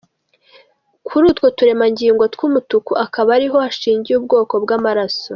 Kuri utwo turemangingo tw’umutuku akaba ariho hashingiye ubwoko bw’amaraso.